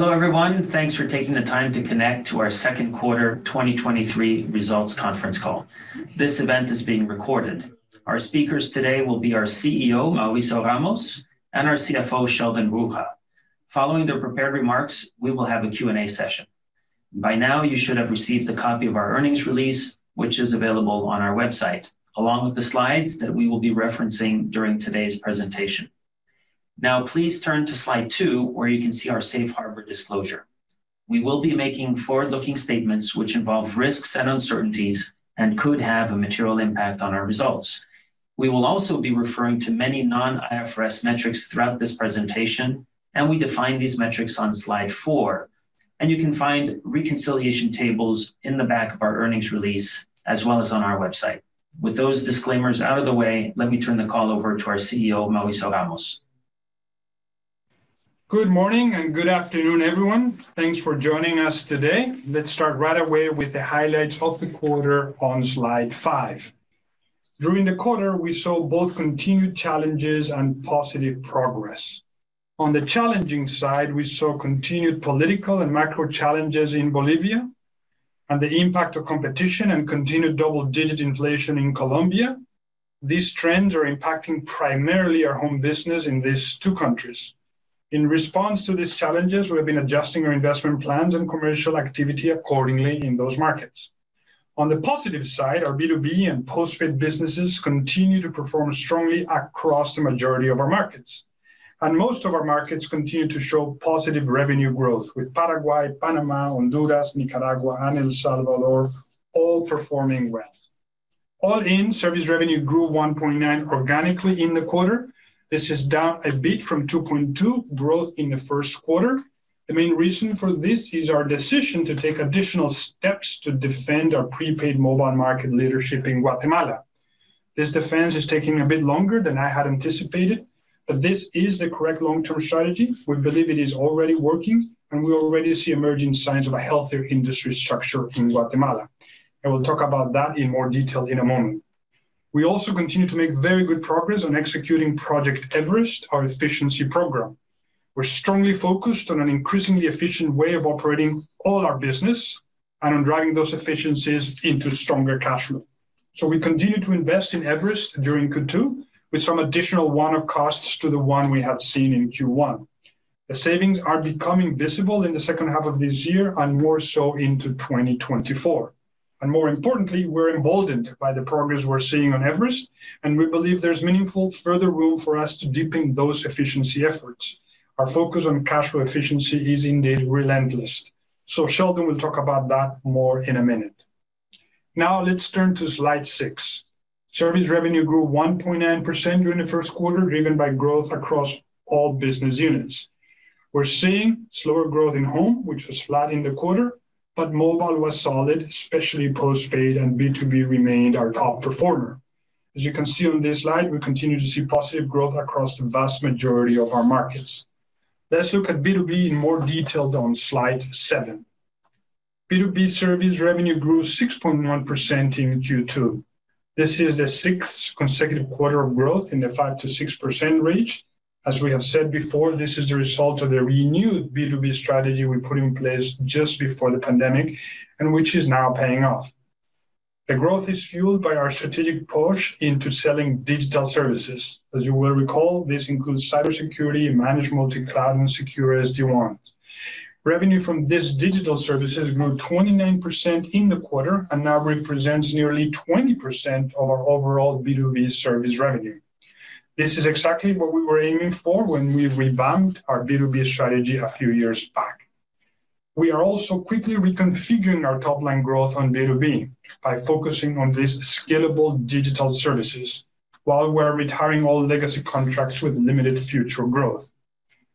Hello, everyone. Thanks for taking the time to connect to our second quarter 2023 results conference call. This event is being recorded. Our speakers today will be our CEO, Mauricio Ramos, and our CFO, Sheldon Bruha. Following their prepared remarks, we will have a Q&A session. By now, you should have received a copy of our earnings release, which is available on our website, along with the slides that we will be referencing during today's presentation. Now, please turn to slide two, where you can see our safe harbor disclosure. We will be making forward-looking statements which involve risks and uncertainties and could have a material impact on our results. We will also be referring to many non-IFRS metrics throughout this presentation, and we define these metrics on slide four. You can find reconciliation tables in the back of our earnings release, as well as on our website. With those disclaimers out of the way, let me turn the call over to our CEO, Mauricio Ramos. Good morning and good afternoon, everyone. Thanks for joining us today. Let's start right away with the highlights of the quarter on slide five. During the quarter, we saw both continued challenges and positive progress. On the challenging side, we saw continued political and macro challenges in Bolivia, and the impact of competition and continued double-digit inflation in Colombia. These trends are impacting primarily our home business in these two countries. In response to these challenges, we have been adjusting our investment plans and commercial activity accordingly in those markets. On the positive side, our B2B and postpaid businesses continue to perform strongly across the majority of our markets, and most of our markets continue to show positive revenue growth, with Paraguay, Panama, Honduras, Nicaragua, and El Salvador all performing well. All in, service revenue grew 1.9% organically in the quarter. This is down a bit from 2.2 growth in the first quarter. The main reason for this is our decision to take additional steps to defend our prepaid mobile market leadership in Guatemala. This defense is taking a bit longer than I had anticipated, but this is the correct long-term strategy. We believe it is already working, and we already see emerging signs of a healthier industry structure in Guatemala. I will talk about that in more detail in a moment. We also continue to make very good progress on executing Project Everest, our efficiency program. We're strongly focused on an increasingly efficient way of operating all our business and on driving those efficiencies into stronger cash flow. We continue to invest in Everest during Q2, with some additional one-off costs to the one we had seen in Q1. The savings are becoming visible in the second half of this year and more so into 2024. More importantly, we're emboldened by the progress we're seeing on Everest, and we believe there's meaningful further room for us to deepen those efficiency efforts. Our focus on cash flow efficiency is indeed relentless. Sheldon will talk about that more in a minute. Let's turn to slide six. Service revenue grew 1.9% during the first quarter, driven by growth across all business units. We're seeing slower growth in Home, which was flat in the quarter, but Mobile was solid, especially postpaid, and B2B remained our top performer. As you can see on this slide, we continue to see positive growth across the vast majority of our markets. Let's look at B2B in more detail on slide seven. B2B service revenue grew 6.1% in Q2. This is the sixth consecutive quarter of growth in the 5%-6% range. As we have said before, this is the result of the renewed B2B strategy we put in place just before the pandemic, which is now paying off. The growth is fueled by our strategic push into selling digital services. As you will recall, this includes cybersecurity, managed multi-cloud, and secure SD-WAN. Revenue from these digital services grew 29% in the quarter and now represents nearly 20% of our overall B2B service revenue. This is exactly what we were aiming for when we revamped our B2B strategy a few years back. We are also quickly reconfiguring our top-line growth on B2B by focusing on these scalable digital services while we're retiring all legacy contracts with limited future growth.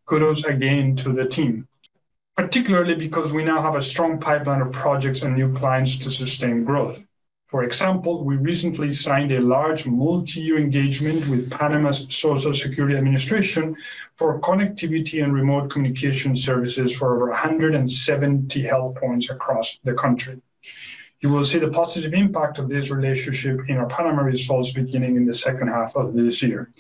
Kudos again to the team, particularly because we now have a strong pipeline of projects and new clients to sustain growth. For example, we recently signed a large multi-year engagement with Panama's Social Security Administration for connectivity and remote communication services for over 170 health points across the country. You will see the positive impact of this relationship in our primary results beginning in the second half of this year.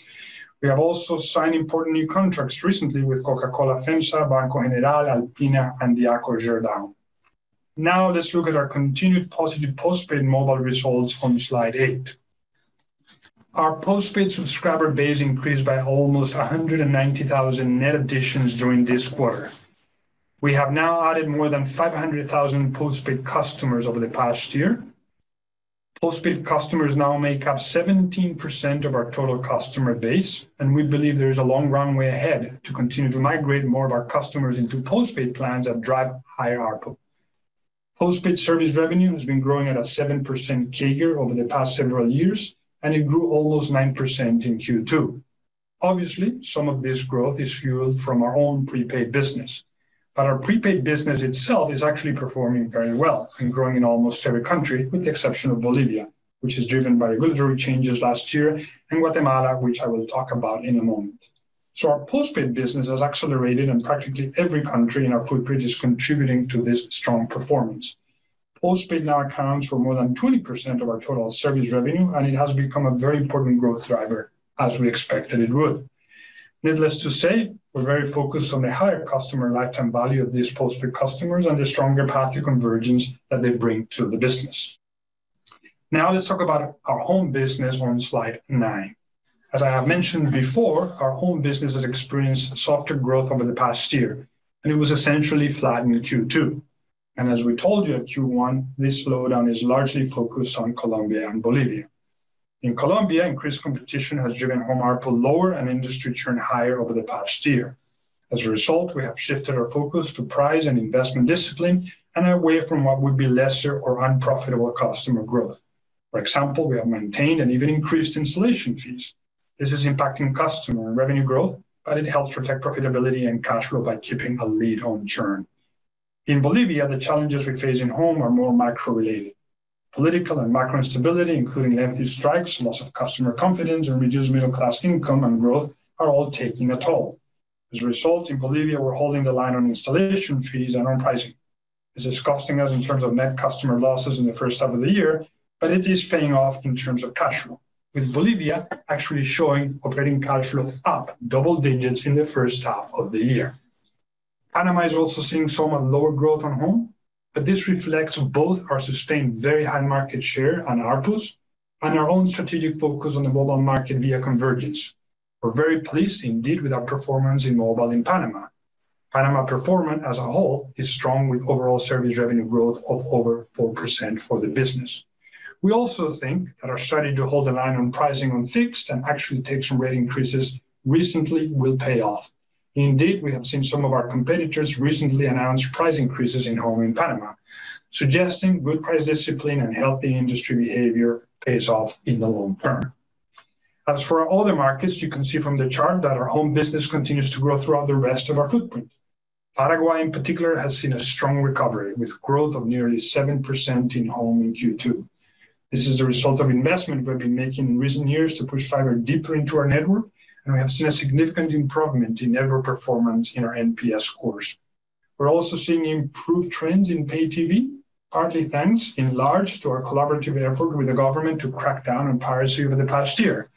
We have also signed important new contracts recently with Coca-Cola, FEMSA, Banco General, Alpina, and Gerdau Diaco. Let's look at our continued positive postpaid mobile results on slide eight. Our postpaid subscriber base increased by almost 190,000 net additions during this quarter. We have now added more than 500,000 postpaid customers over the past year. Postpaid customers now make up 17% of our total customer base, and we believe there is a long runway ahead to continue to migrate more of our customers into postpaid plans that drive higher ARPU. Postpaid service revenue has been growing at a 7% CAGR over the past several years, and it grew almost 9% in Q2. Obviously, some of this growth is fueled from our own prepaid business, but our prepaid business itself is actually performing very well and growing in almost every country, with the exception of Bolivia, which is driven by regulatory changes last year, and Guatemala, which I will talk about in a moment. Our postpaid business has accelerated in practically every country, and our footprint is contributing to this strong performance. Postpaid now accounts for more than 20% of our total service revenue. It has become a very important growth driver, as we expected it would. Needless to say, we're very focused on the higher customer lifetime value of these postpaid customers and the stronger path to convergence that they bring to the business. Let's talk about our home business on slide nine. As I have mentioned before, our home business has experienced softer growth over the past year. It was essentially flat in Q2. As we told you at Q1, this slowdown is largely focused on Colombia and Bolivia. In Colombia, increased competition has driven home ARPU lower and industry churn higher over the past year. As a result, we have shifted our focus to price and investment discipline and away from what would be lesser or unprofitable customer growth. For example, we have maintained and even increased installation fees. This is impacting customer and revenue growth, but it helps protect profitability and cash flow by keeping a lead home churn. In Bolivia, the challenges we face in home are more macro-related. Political and macro instability, including lengthy strikes, loss of customer confidence, and reduced middle-class income and growth, are all taking a toll. As a result, in Bolivia, we're holding the line on installation fees and on pricing. This is costing us in terms of net customer losses in the first half of the year, but it is paying off in terms of cash flow, with Bolivia actually showing operating cash flow up double digits in the first half of the year. Panama is also seeing some lower growth on home, but this reflects both our sustained very high market share on ARPUs and our own strategic focus on the mobile market via convergence. We're very pleased indeed with our performance in mobile in Panama. Panama performance as a whole is strong, with overall service revenue growth of over 4% for the business. We also think that our strategy to hold the line on pricing on fixed and actually take some rate increases recently will pay off. Indeed, we have seen some of our competitors recently announce price increases in home in Panama, suggesting good price discipline and healthy industry behavior pays off in the long term. As for our other markets, you can see from the chart that our home business continues to grow throughout the rest of our footprint. Paraguay, in particular, has seen a strong recovery, with growth of nearly 7% in home in Q2. This is a result of investment we've been making in recent years to push fiber deeper into our network, and we have seen a significant improvement in network performance in our NPS scores. We're also seeing improved trends in pay TV, partly thanks in large to our collaborative effort with the government to crack down on piracy over the past year.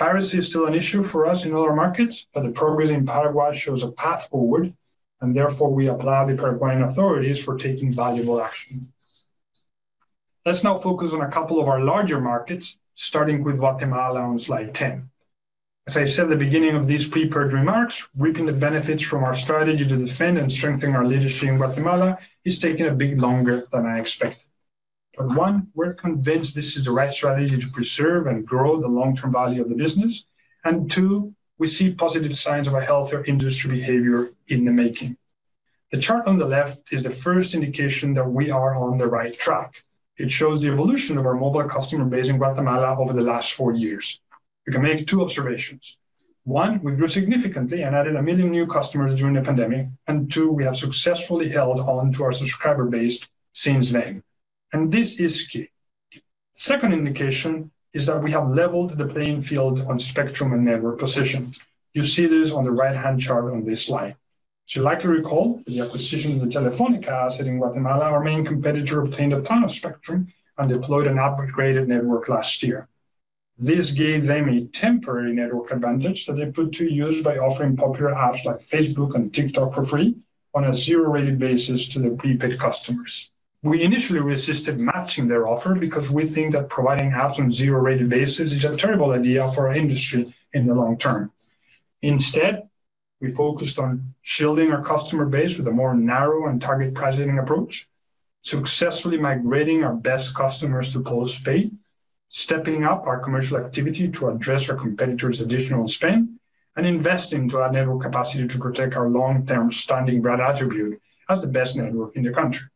Piracy is still an issue for us in other markets, but the progress in Paraguay shows a path forward, and therefore we applaud the Paraguayan authorities for taking valuable action. Let's now focus on a couple of our larger markets, starting with Guatemala on slide 10. As I said at the beginning of these prepared remarks, reaping the benefits from our strategy to defend and strengthen our leadership in Guatemala is taking a bit longer than I expected. One, we're convinced this is the right strategy to preserve and grow the long-term value of the business. Two, we see positive signs of a healthier industry behavior in the making. The chart on the left is the first indication that we are on the right track. It shows the evolution of our mobile customer base in Guatemala over the last four years. We can make two observations. One, we grew significantly and added 1 million new customers during the pandemic. Two, we have successfully held on to our subscriber base since then, and this is key. Second indication is that we have leveled the playing field on spectrum and network position. You see this on the right-hand chart on this slide. You'd like to recall, the acquisition of the Telefónica asset in Guatemala, our main competitor, obtained a ton of spectrum and deployed an upgraded network last year. This gave them a temporary network advantage that they put to use by offering popular apps like Facebook and TikTok for free on a zero-rated basis to their prepaid customers. We initially resisted matching their offer because we think that providing apps on zero-rated basis is a terrible idea for our industry in the long term. Instead, we focused on shielding our customer base with a more narrow and target pricing approach, successfully migrating our best customers to postpay, stepping up our commercial activity to address our competitor's additional strength, and investing to our network capacity to protect our long-term standing brand attribute as the best network in the country.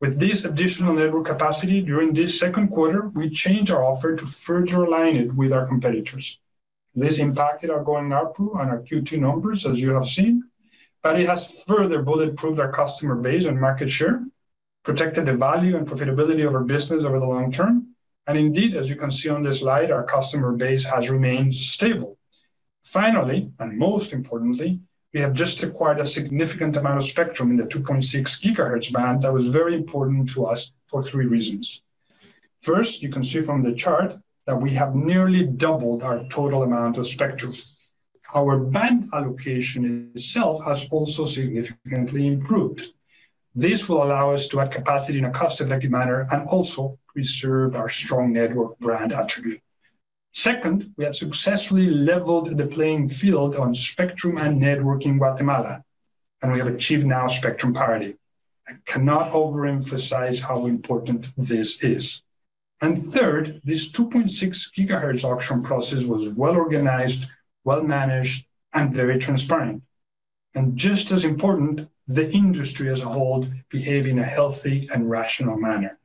With this additional network capacity, during this second quarter, we changed our offer to further align it with our competitors. This impacted our going ARPU on our Q2 numbers, as you have seen, but it has further bullet-proofed our customer base and market share, protected the value and profitability of our business over the long term, and indeed, as you can see on this slide, our customer base has remained stable. Finally, and most importantly, we have just acquired a significant amount of spectrum in the 2.6 GHz band that was very important to us for three reasons. First, you can see from the chart that we have nearly doubled our total amount of spectrum. Our band allocation itself has also significantly improved. This will allow us to add capacity in a cost-effective manner and also preserve our strong network brand attribute. Second, we have successfully leveled the playing field on spectrum and network in Guatemala, and we have achieved now spectrum parity. I cannot overemphasize how important this is. Third, this 2.6 GHz auction process was well organized, well managed, and very transparent. Just as important, the industry as a whole behaved in a healthy and rational manner.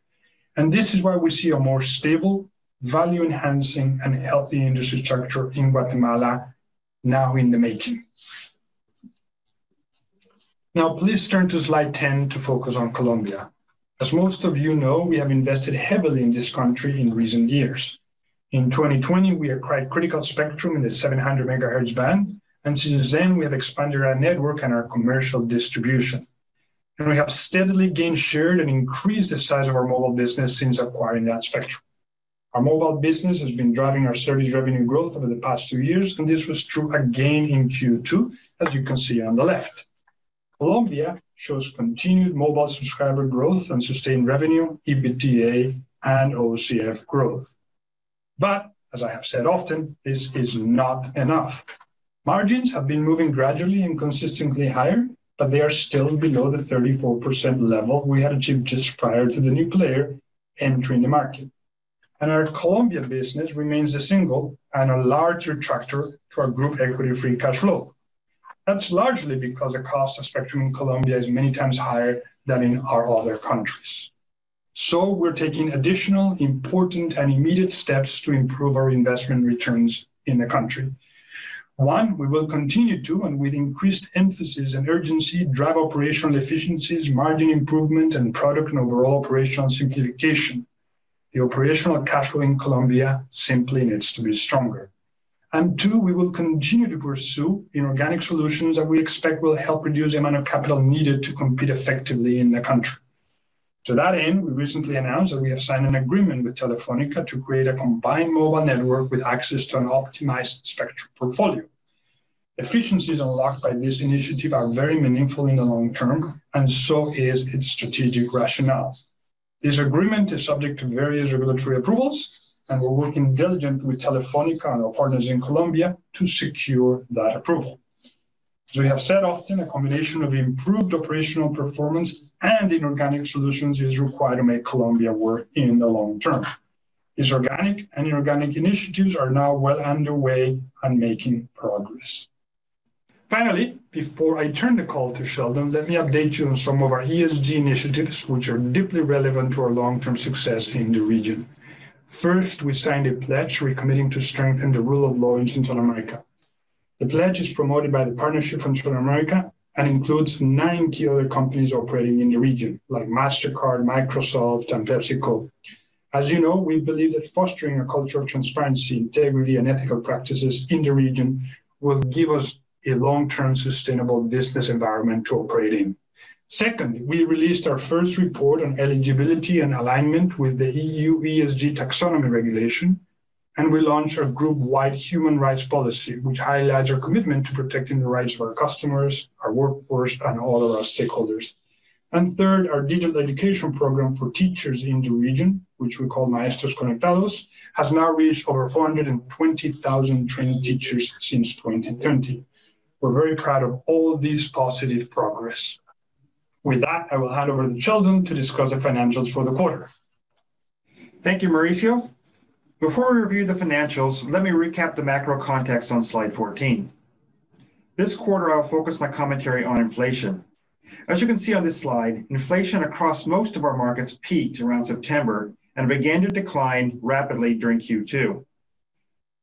This is why we see a more stable, value-enhancing, and healthy industry structure in Guatemala now in the making. Now, please turn to slide 10 to focus on Colombia. As most of you know, we have invested heavily in this country in recent years. In 2020, we acquired critical spectrum in the 700 MHz band, and since then, we have expanded our network and our commercial distribution. We have steadily gained share and increased the size of our mobile business since acquiring that spectrum. Our mobile business has been driving our service revenue growth over the past two years. This was true again in Q2, as you can see on the left. Colombia shows continued mobile subscriber growth and sustained revenue, EBITDA, and OCF growth. As I have said often, this is not enough. Margins have been moving gradually and consistently higher, but they are still below the 34% level we had achieved just prior to the new player entering the market. Our Colombia business remains the single and a large attractor to our group equity free cash flow. That's largely because the cost of spectrum in Colombia is many times higher than in our other countries. We're taking additional important and immediate steps to improve our investment returns in the country. One, we will continue to, and with increased emphasis and urgency, drive operational efficiencies, margin improvement, and product and overall operational simplification. The operational cash flow in Colombia simply needs to be stronger. Two, we will continue to pursue inorganic solutions that we expect will help reduce the amount of capital needed to compete effectively in the country. To that end, we recently announced that we have signed an agreement with Telefónica to create a combined mobile network with access to an optimized spectrum portfolio. Efficiencies unlocked by this initiative are very meaningful in the long term, and so is its strategic rationale. This agreement is subject to various regulatory approvals, and we're working diligently with Telefónica and our partners in Colombia to secure that approval. As we have said often, a combination of improved operational performance and inorganic solutions is required to make Colombia work in the long term. These organic and inorganic initiatives are now well underway and making progress. Finally, before I turn the call to Sheldon, let me update you on some of our ESG initiatives, which are deeply relevant to our long-term success in the region. First, we signed a pledge recommitting to strengthen the rule of law in Central America. The pledge is promoted by the Partnership for Central America and includes nine key other companies operating in the region, like Mastercard, Microsoft, and PepsiCo. As you know, we believe that fostering a culture of transparency, integrity, and ethical practices in the region will give us a long-term, sustainable business environment to operate in. Second, we released our first report on eligibility and alignment with the EU ESG Taxonomy Regulation, we launched a group-wide human rights policy, which highlights our commitment to protecting the rights of our customers, our workforce, and all of our stakeholders. Third, our digital education program for teachers in the region, which we call Maestros Conectados, has now reached over 420,000 trained teachers since 2020. We're very proud of all this positive progress. With that, I will hand over to Sheldon to discuss the financials for the quarter. Thank you, Mauricio. Before we review the financials, let me recap the macro context on slide 14. This quarter, I'll focus my commentary on inflation. As you can see on this slide, inflation across most of our markets peaked around September and began to decline rapidly during Q2.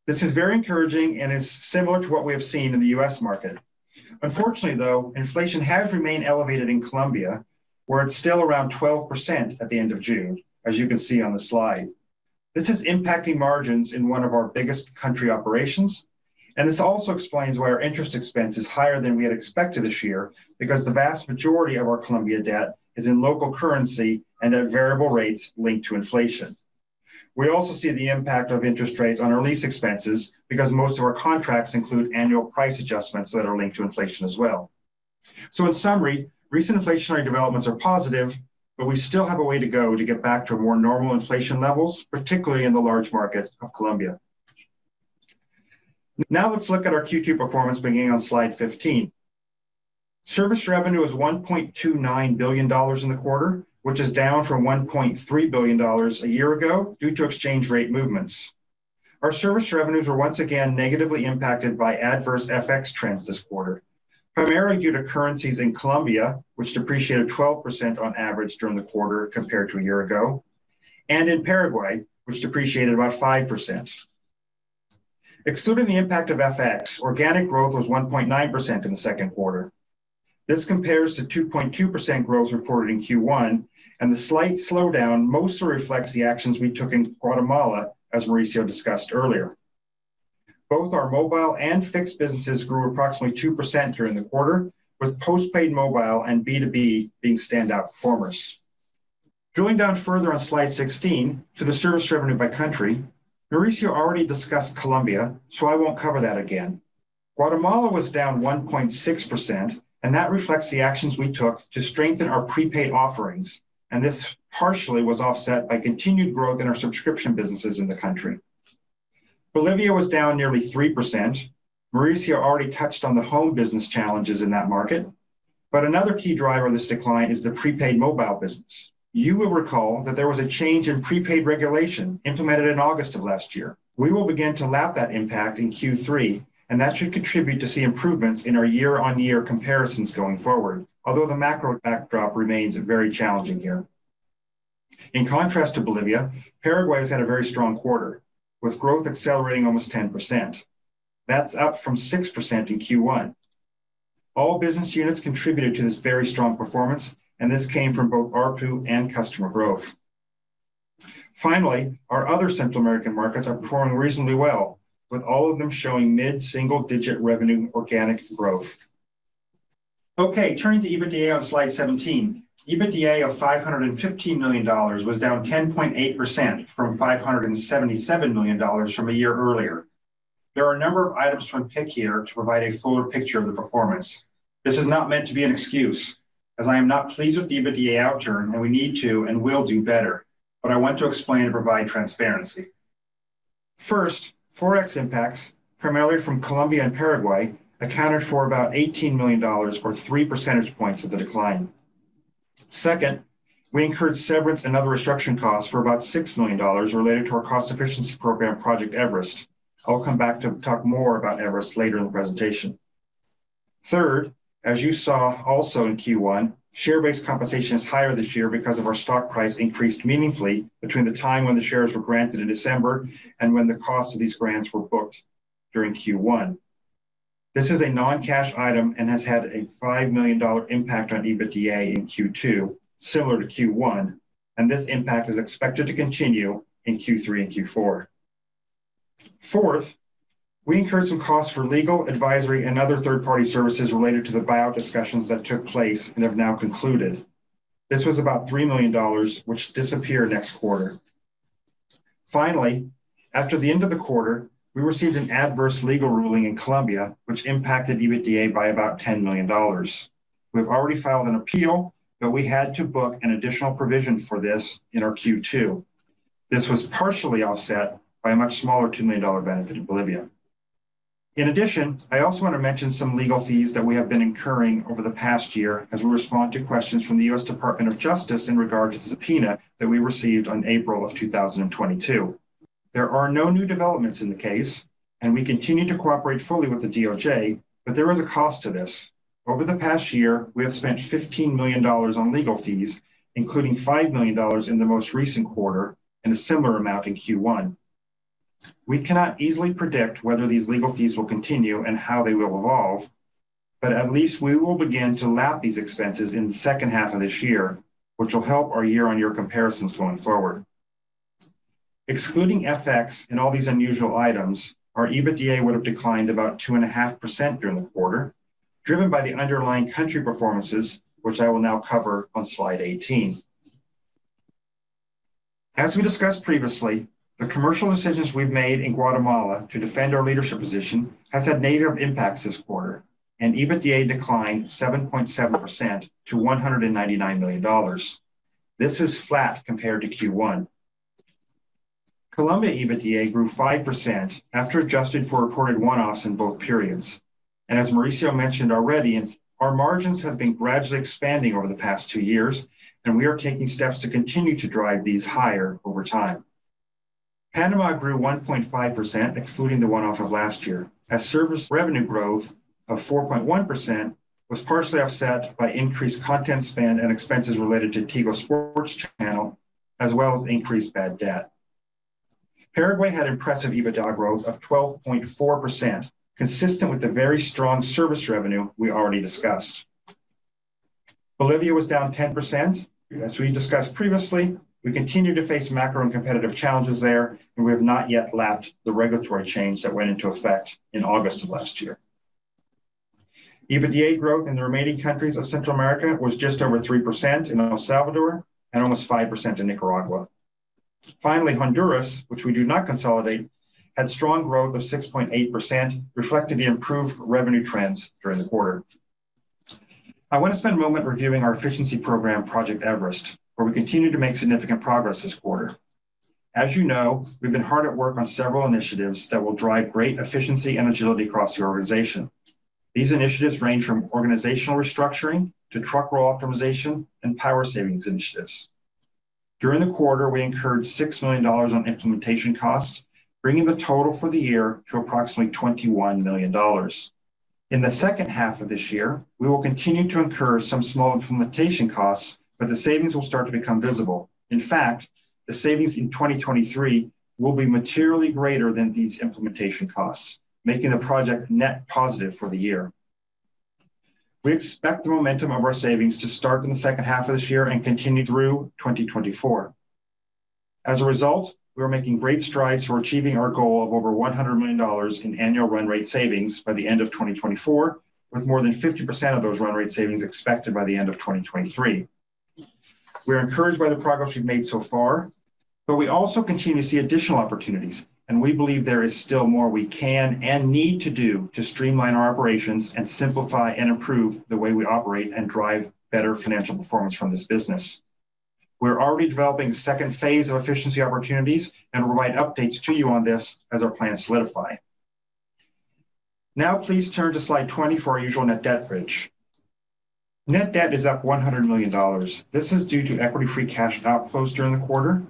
This is very encouraging, and it's similar to what we have seen in the U.S. market. Unfortunately, though, inflation has remained elevated in Colombia, where it's still around 12% at the end of June, as you can see on the slide. This is impacting margins in one of our biggest country operations, and this also explains why our interest expense is higher than we had expected this year, because the vast majority of our Colombia debt is in local currency and at variable rates linked to inflation. We also see the impact of interest rates on our lease expenses because most of our contracts include annual price adjustments that are linked to inflation as well. In summary, recent inflationary developments are positive, but we still have a way to go to get back to more normal inflation levels, particularly in the large market of Colombia. Let's look at our Q2 performance beginning on slide 15. Service revenue was $1.29 billion in the quarter, which is down from $1.3 billion a year ago due to exchange rate movements. Our service revenues were once again negatively impacted by adverse FX trends this quarter, primarily due to currencies in Colombia, which depreciated 12% on average during the quarter compared to a year ago, and in Paraguay, which depreciated about 5%. Excluding the impact of FX, organic growth was 1.9% in the second quarter. This compares to 2.2% growth reported in Q1, and the slight slowdown mostly reflects the actions we took in Guatemala, as Mauricio Ramos discussed earlier. Both our mobile and fixed businesses grew approximately 2% during the quarter, with post-paid mobile and B2B being standout performers. Going down further on slide 16 to the service revenue by country, Mauricio Ramos already discussed Colombia, so I won't cover that again. Guatemala was down 1.6%, and that reflects the actions we took to strengthen our prepaid offerings, and this partially was offset by continued growth in our subscription businesses in the country. Bolivia was down nearly 3%. Mauricio Ramos already touched on the home business challenges in that market, but another key driver in this decline is the prepaid mobile business. You will recall that there was a change in prepaid regulation implemented in August of last year. We will begin to lap that impact in Q3, and that should contribute to see improvements in our year-on-year comparisons going forward, although the macro backdrop remains very challenging here. In contrast to Bolivia, Paraguay has had a very strong quarter, with growth accelerating almost 10%. That's up from 6% in Q1. All business units contributed to this very strong performance, and this came from both ARPU and customer growth. Finally, our other Central American markets are performing reasonably well, with all of them showing mid-single-digit revenue organic growth. Okay, turning to EBITDA on slide 17. EBITDA of $515 million was down 10.8% from $577 million from a year earlier. There are a number of items to unpick here to provide a fuller picture of the performance. This is not meant to be an excuse, as I am not pleased with the EBITDA outturn, and we need to and will do better, but I want to explain and provide transparency. First, Forex impacts, primarily from Colombia and Paraguay, accounted for about $18 million, or three percentage points of the decline. Second, we incurred severance and other restriction costs for about $6 million related to our cost efficiency program, Project Everest. I'll come back to talk more about Everest later in the presentation. Third, as you saw also in Q1, share-based compensation is higher this year because of our stock price increased meaningfully between the time when the shares were granted in December and when the cost of these grants were booked during Q1. This is a non-cash item and has had a $5 million impact on EBITDA in Q2, similar to Q1, and this impact is expected to continue in Q3 and Q4. Fourth, we incurred some costs for legal, advisory, and other third-party services related to the buyout discussions that took place and have now concluded. This was about $3 million, which disappear next quarter. Finally, after the end of the quarter, we received an adverse legal ruling in Colombia, which impacted EBITDA by about $10 million. We've already filed an appeal, but we had to book an additional provision for this in our Q2. This was partially offset by a much smaller $2 million benefit in Bolivia. In addition, I also want to mention some legal fees that we have been incurring over the past year as we respond to questions from the U.S. Department of Justice in regard to the subpoena that we received on April 2022. There are no new developments in the case, and we continue to cooperate fully with the DOJ. There is a cost to this. Over the past year, we have spent $15 million on legal fees, including $5 million in the most recent quarter and a similar amount in Q1. We cannot easily predict whether these legal fees will continue and how they will evolve. At least we will begin to lap these expenses in the second half of this year, which will help our year-on-year comparisons going forward. Excluding FX and all these unusual items, our EBITDA would have declined about 2.5% during the quarter, driven by the underlying country performances, which I will now cover on slide 18. As we discussed previously, the commercial decisions we've made in Guatemala to defend our leadership position has had negative impacts this quarter. EBITDA declined 7.7% to $199 million. This is flat compared to Q1. Colombia EBITDA grew 5% after adjusting for reported one-offs in both periods. As Mauricio mentioned already, our margins have been gradually expanding over the past 2 years, and we are taking steps to continue to drive these higher over time. Panama grew 1.5%, excluding the one-off of last year, as service revenue growth of 4.1% was partially offset by increased content spend and expenses related to Tigo Sports, as well as increased bad debt. Paraguay had impressive EBITDA growth of 12.4%, consistent with the very strong service revenue we already discussed. Bolivia was down 10%. As we discussed previously, we continue to face macro and competitive challenges there, and we have not yet lapped the regulatory change that went into effect in August of last year. EBITDA growth in the remaining countries of Central America was just over 3% in El Salvador and almost 5% in Nicaragua. Finally, Honduras, which we do not consolidate, had strong growth of 6.8%, reflecting the improved revenue trends during the quarter. I want to spend a moment reviewing our efficiency program, Project Everest, where we continued to make significant progress this quarter. As you know, we've been hard at work on several initiatives that will drive great efficiency and agility across the organization. These initiatives range from organizational restructuring to truck roll optimization and power savings initiatives. During the quarter, we incurred $6 million on implementation costs, bringing the total for the year to approximately $21 million. In the second half of this year, we will continue to incur some small implementation costs, but the savings will start to become visible. In fact, the savings in 2023 will be materially greater than these implementation costs, making the project net positive for the year. We expect the momentum of our savings to start in the second half of this year and continue through 2024. As a result, we are making great strides toward achieving our goal of over $100 million in annual run rate savings by the end of 2024, with more than 50% of those run rate savings expected by the end of 2023. We are encouraged by the progress we've made so far, but we also continue to see additional opportunities, and we believe there is still more we can and need to do to streamline our operations and simplify and improve the way we operate and drive better financial performance from this business. We're already developing the second phase of efficiency opportunities and will provide updates to you on this as our plans solidify. Please turn to slide 20 for our usual net debt bridge. Net debt is up $100 million. This is due to equity free cash outflows during the quarter,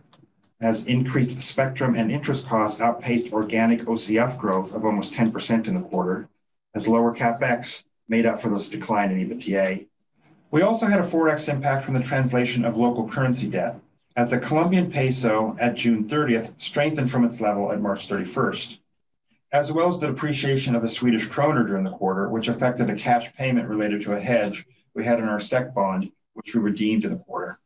as increased spectrum and interest costs outpaced organic OCF growth of almost 10% in the quarter, as lower CapEx made up for this decline in EBITDA. We also had a Forex impact from the translation of local currency debt, as the Colombian peso at June 30th strengthened from its level at March 31st, as well as the appreciation of the Swedish krona during the quarter, which affected a cash payment related to a hedge we had in our SEC bond, which we redeemed in the quarter.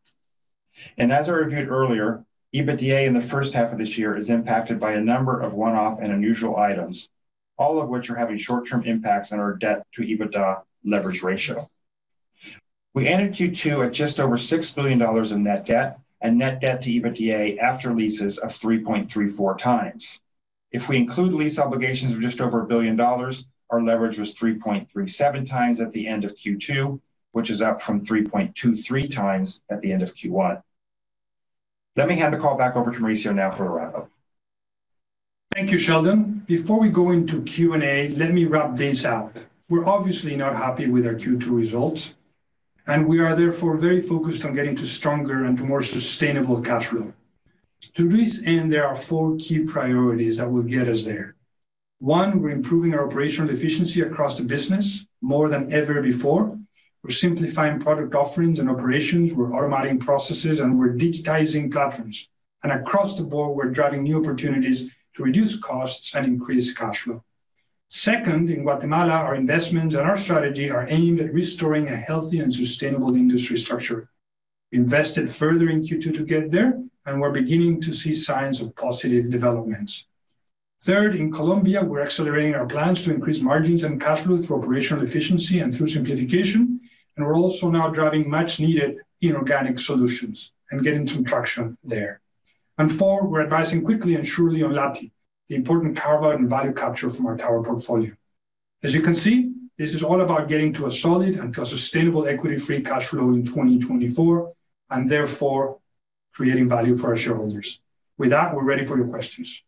As I reviewed earlier, EBITDA in the first half of this year is impacted by a number of one-off and unusual items, all of which are having short-term impacts on our debt to EBITDA leverage ratio. We ended Q2 at just over $6 billion in net debt and net debt to EBITDA after leases of 3.34 times. If we include the lease obligations of just over $1 billion, our leverage was 3.37 times at the end of Q2, which is up from 3.23 times at the end of Q1. Let me hand the call back over to Mauricio now for a wrap-up. Thank you, Sheldon. Before we go into Q&A, let me wrap this up. We're obviously not happy with our Q2 results, and we are therefore very focused on getting to stronger and to more sustainable cash flow. To this end, there are four key priorities that will get us there. One, we're improving our operational efficiency across the business more than ever before. We're simplifying product offerings and operations, we're automating processes, and we're digitizing platforms. Across the board, we're driving new opportunities to reduce costs and increase cash flow. Second, in Guatemala, our investments and our strategy are aimed at restoring a healthy and sustainable industry structure. We invested further in Q2 to get there, and we're beginning to see signs of positive developments. Third, in Colombia, we're accelerating our plans to increase margins and cash flow through operational efficiency and through simplification, and we're also now driving much needed inorganic solutions and getting some traction there. And four, we're advancing quickly and surely on Lati, the important tower and value capture from our tower portfolio. As you can see, this is all about getting to a solid and to a sustainable equity-free cash flow in 2024, and therefore creating value for our shareholders. With that, we're ready for your questions.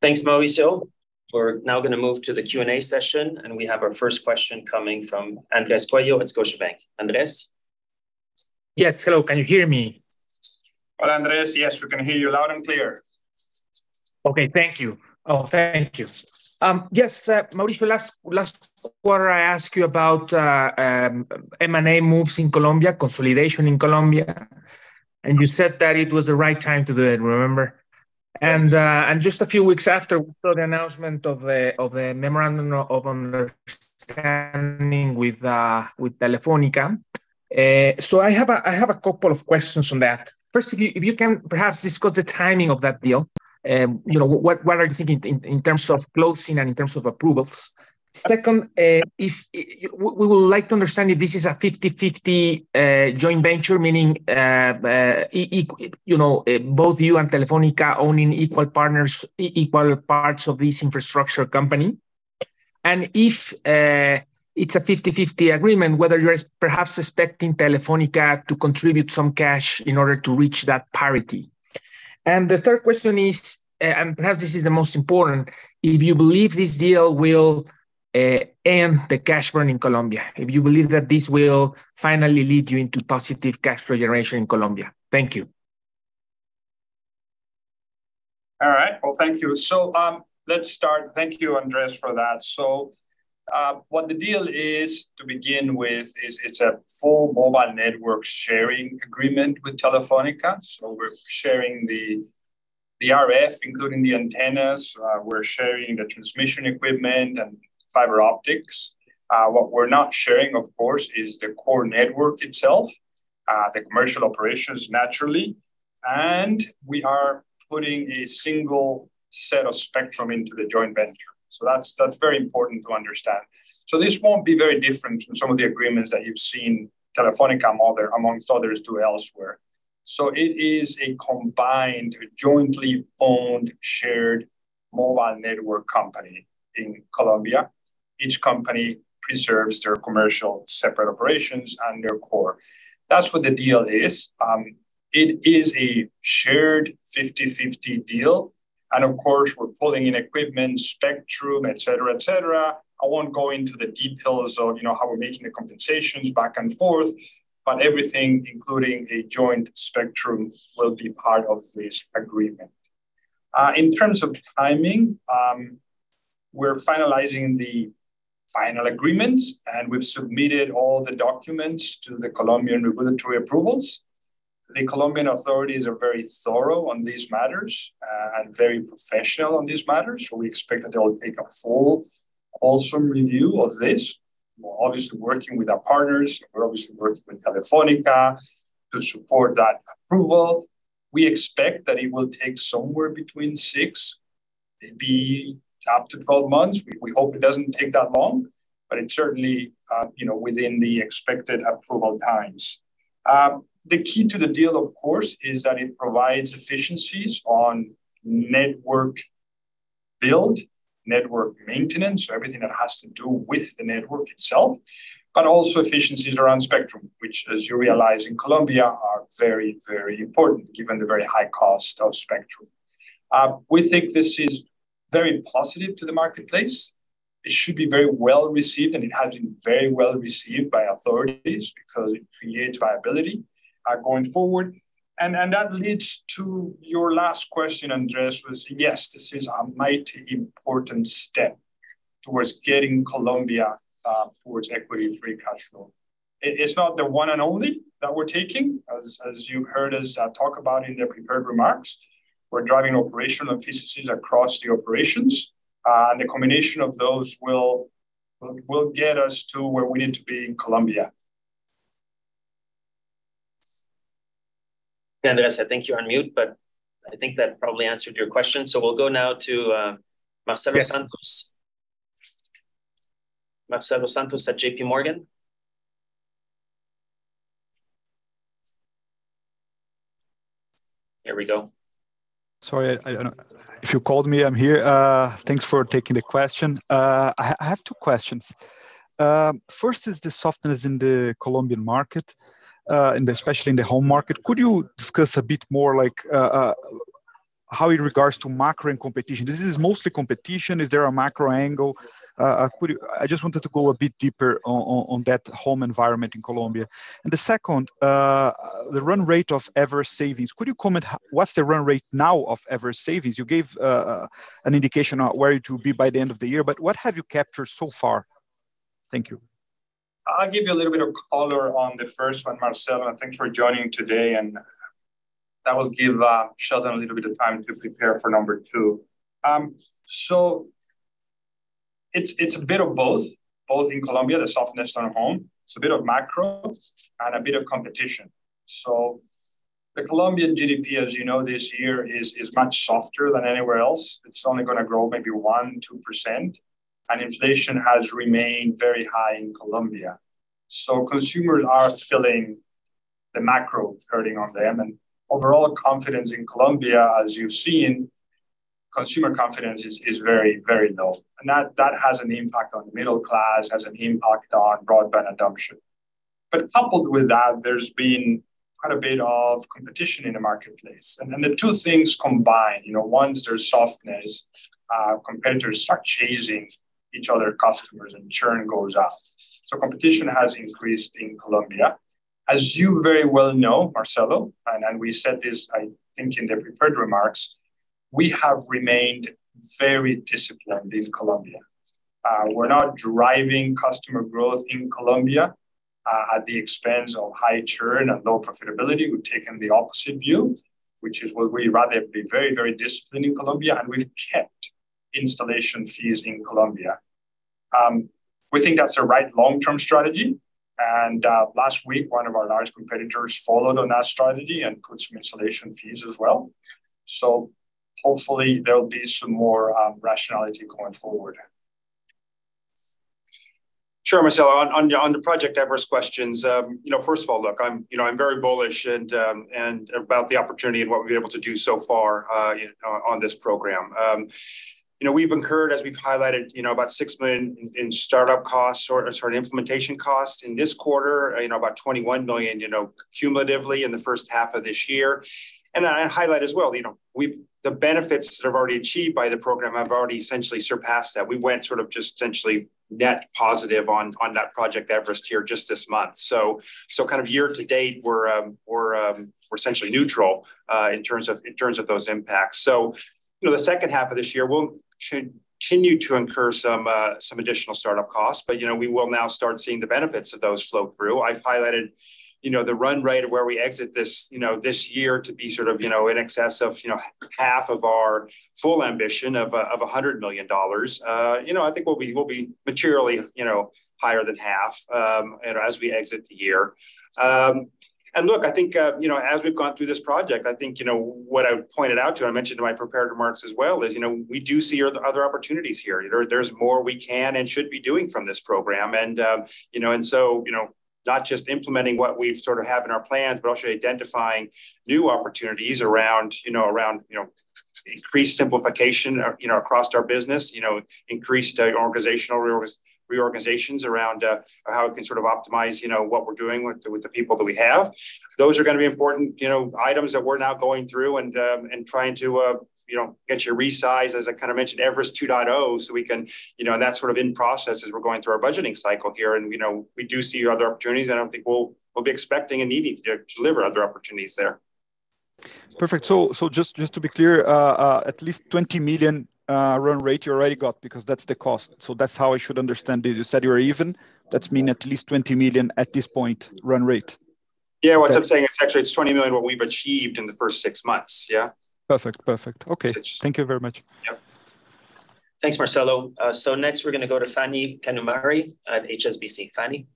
Thanks, Mauricio. We're now gonna move to the Q&A session, and we have our first question coming from Andres Coello at Scotiabank. Andres? Yes. Hello, can you hear me? Hola, Andres. Yes, we can hear you loud and clear. Okay. Thank you. Yes, Mauricio, last quarter, I asked you about M&A moves in Colombia, consolidation in Colombia, and you said that it was the right time to do it, remember? Yes. Just a few weeks after, we saw the announcement of the memorandum of understanding with Telefónica. I have a couple of questions on that. Firstly, if you can perhaps discuss the timing of that deal. you know, what are you thinking in terms of closing and in terms of approvals? Second, We would like to understand if this is a 50/50 joint venture, meaning, you know, both you and Telefónica owning equal partners, equal parts of this infrastructure company. If it's a 50/50 agreement, whether you're perhaps expecting Telefónica to contribute some cash in order to reach that parity. The third question is, and perhaps this is the most important, if you believe this deal will end the cash burn in Colombia, if you believe that this will finally lead you into positive cash flow generation in Colombia. Thank you. Well, thank you. Let's start. Thank you, Andres, for that. What the deal is, to begin with, is it's a full mobile network sharing agreement with Telefónica. We're sharing the RF, including the antennas, we're sharing the transmission equipment and fiber optics. What we're not sharing, of course, is the core network itself, the commercial operations, naturally, and we are putting a single set of spectrum into the joint venture. That's very important to understand. This won't be very different from some of the agreements that you've seen Telefónica amongst others, do elsewhere. It is a combined, jointly owned, shared mobile network company in Colombia. Each company preserves their commercial separate operations and their core. That's what the deal is. It is a shared 50/50 deal, of course, we're pulling in equipment, spectrum, et cetera, et cetera. I won't go into the deep hills of, you know, how we're making the compensations back and forth, everything, including the joint spectrum, will be part of this agreement. In terms of timing, we're finalizing the final agreements, we've submitted all the documents to the Colombian regulatory approvals. The Colombian authorities are very thorough on these matters, very professional on these matters, we expect that they'll take a full, wholesome review of this. We're obviously working with our partners. We're obviously working with Telefónica to support that approval. We expect that it will take somewhere between six, maybe up to 12 months. We hope it doesn't take that long, it's certainly, you know, within the expected approval times. The key to the deal, of course, is that it provides efficiencies on network build, network maintenance, so everything that has to do with the network itself, but also efficiencies around spectrum, which, as you realize, in Colombia, are very, very important, given the very high cost of spectrum. We think this is very positive to the marketplace. It should be very well received, and it has been very well received by authorities because it creates viability going forward. That leads to your last question, Andreas, was, yes, this is a mighty important step towards getting Colombia towards equity free cash flow. It's not the one and only that we're taking. As you heard us talk about in the prepared remarks, we're driving operational efficiencies across the operations, and the combination of those will get us to where we need to be in Colombia. Andreas, I think you're on mute, but I think that probably answered your question. We'll go now to Marcelo Santos. Marcelo Santos at JPMorgan. There we go. Sorry. If you called me, I'm here. Thanks for taking the question. I have two questions. First is the softness in the Colombian market, and especially in the home market. Could you discuss a bit more like, how in regards to macro and competition, this is mostly competition. Is there a macro angle? I just wanted to go a bit deeper on that home environment in Colombia. The second, the run rate of Project Everest. Could you comment, what's the run rate now of Project Everest? You gave an indication of where it will be by the end of the year, but what have you captured so far? Thank you. I'll give you a little bit of color on the first one, Marcelo, and thanks for joining today, and that will give Sheldon a little bit of time to prepare for two. It's a bit of both in Colombia, the softness on home. It's a bit of macro and a bit of competition. The Colombian GDP, as you know, this year, is much softer than anywhere else. It's only gonna grow maybe 1%-2%, and inflation has remained very high in Colombia. Consumers are feeling the macro hurting on them. Overall confidence in Colombia, as you've seen, consumer confidence is very low, and that has an impact on the middle class, has an impact on broadband adoption. Coupled with that, there's been quite a bit of competition in the marketplace, and then the two things combine. You know, once there's softness, competitors start chasing each other customers, and churn goes up. Competition has increased in Colombia. As you very well know, Marcelo, and we said this, I think, in the prepared remarks, we have remained very disciplined in Colombia. We're not driving customer growth in Colombia at the expense of high churn and low profitability. We've taken the opposite view, which is where we rather be very, very disciplined in Colombia, and we've kept installation fees in Colombia. We think that's the right long-term strategy, and last week, one of our large competitors followed on that strategy and put some installation fees as well. Hopefully, there'll be some more rationality going forward. Sure, Marcelo, on the Project Everest questions, you know, first of all, look, I'm, you know, I'm very bullish and about the opportunity and what we've been able to do so far on this program. You know, we've incurred, as we've highlighted, you know, about $6 million in startup costs or, sorry, implementation costs in this quarter, you know, about $21 million, you know, cumulatively in the first half of this year. I highlight as well, you know, the benefits that I've already achieved by the program have already essentially surpassed that. We went sort of just essentially net positive on that Project Everest here just this month. Kind of year to date, we're essentially neutral in terms of those impacts. You know, the second half of this year, we'll continue to incur some additional start-up costs, you know, we will now start seeing the benefits of those flow through. I've highlighted, you know, the run rate of where we exit this, you know, this year to be sort of, you know, in excess of, you know, half of our full ambition of $100 million. You know, I think we'll be, we'll be materially, you know, higher than half, you know, as we exit the year. Look, I think, you know, as we've gone through this project, I think, you know, what I pointed out to, I mentioned in my prepared remarks as well, is, you know, we do see other opportunities here. There, there's more we can and should be doing from this program and, you know, and so, you know, not just implementing what we've sort of have in our plans, but also identifying new opportunities around, you know, around, you know, increased simplification, you know, across our business. You know, increased organizational reorganizations around, how we can sort of optimize, you know, what we're doing with the people that we have. Those are gonna be important, you know, items that we're now going through and trying to, you know, get to resize, as I kind of mentioned, Everest 2.0, so we can, you know, and that's sort of in process as we're going through our budgeting cycle here. We do see other opportunities, and I think we'll be expecting and needing to deliver other opportunities there. Perfect. Just to be clear, at least $20 million run rate you already got, because that's the cost. That's how I should understand it. You said you were even, that's mean at least $20 million at this point, run rate? Yeah, what I'm saying is actually it's $20 million, what we've achieved in the first six months. Yeah. Perfect. Perfect. Okay. Sure. Thank you very much. Yep. Thanks, Marcelo. next we're gonna go to Phani Kanumuri at HSBC. Phani?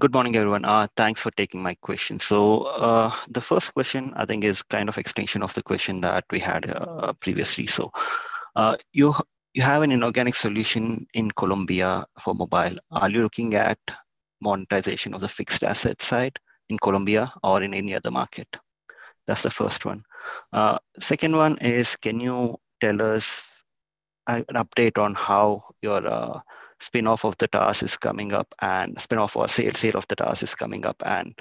Good morning, everyone. Thanks for taking my question. The first question, I think, is kind of extension of the question that we had previously. You have an inorganic solution in Colombia for mobile. Are you looking at monetization of the fixed asset side in Colombia or in any other market? That's the first one. Second one is, can you tell us an update on how your spin-off of the task is coming up and spin-off or sale of the task is coming up, and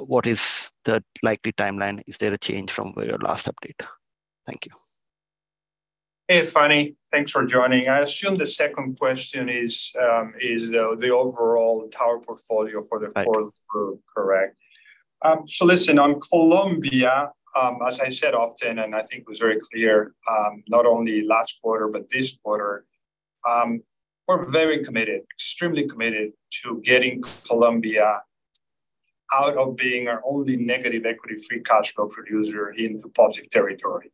what is the likely timeline? Is there a change from your last update? Thank you. Hey, Phani. Thanks for joining. I assume the second question is the overall tower portfolio fourth group, correct? So listen, on Colombia, as I said often, and I think it was very clear, not only last quarter but this quarter, we're very committed, extremely committed to getting Colombia out of being our only negative equity free cash flow producer in the public territory.